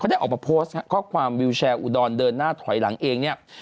ได้ออกมาโพสต์ข้อความวิวแชร์อุดรเดินหน้าถอยหลังเองเนี่ย